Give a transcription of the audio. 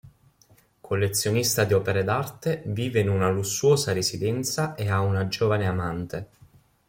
Collezionista di opere d'arte, vive in una lussuosa residenza e ha una giovane amante.